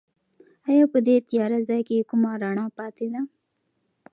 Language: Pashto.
ایا په دې تیاره ځای کې کومه رڼا پاتې ده؟